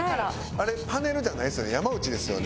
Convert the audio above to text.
あれパネルじゃないですよね？